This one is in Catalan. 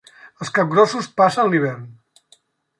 Els capgrossos passen l'hivern.